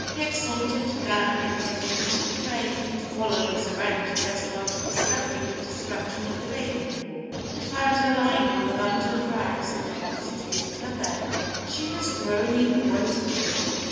He had sauntered down, indifferent to rain, to call on his friend just after discovering the destruction of the bathing pool, and found her lying on the bundle of rags which constituted her bed. She was groaning woefully.